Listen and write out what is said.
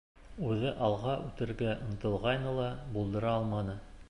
Үҙе алға үтергә ынтылғайны ла, булдыра алманы.